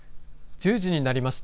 １０時になりました。